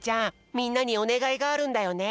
みんなにおねがいがあるんだよね。